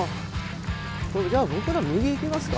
じゃあ僕ら右行きますか。